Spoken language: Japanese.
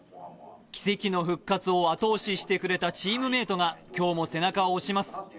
奇跡の復活を後押ししてくれたチームメイトが今日も背中を押します。